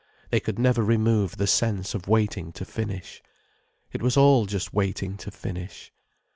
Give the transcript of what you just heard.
They could never remove the sense of waiting to finish: it was all just waiting to finish.